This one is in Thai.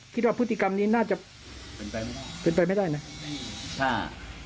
คิดว่าพฤติกรรมนี้น่าจะเป็นไปไม่ได้นะ